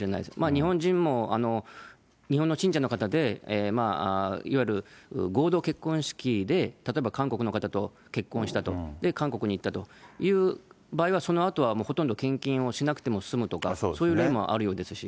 日本人も、日本の信者の方でいわゆる合同結婚式で、例えば韓国の方と結婚したと、で、韓国に行ったという場合は、そのあとは、ほとんど献金をしなくても済むとか、そういう例もあるようですし。